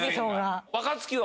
若槻は？